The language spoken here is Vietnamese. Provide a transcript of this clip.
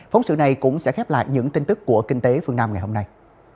phóng sự này cũng sẽ khép lại những tin tức của kinh tế phương nam ngày hôm nay